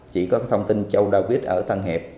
chỉ có thông tin châu david ở tân hiệp